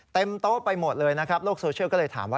โต๊ะไปหมดเลยนะครับโลกโซเชียลก็เลยถามว่า